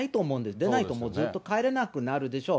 でないともう、ずっと帰れなくなるでしょう。